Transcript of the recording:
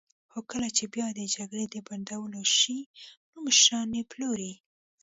خو کله چې بیا د جګړې د بندولو شي، نو مشران یې پلوري.